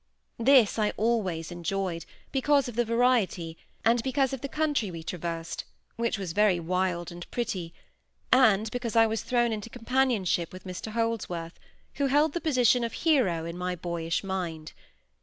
This I always enjoyed, because of the variety, and because of the country we traversed (which was very wild and pretty), and because I was thrown into companionship with Mr Holdsworth, who held the position of hero in my boyish mind.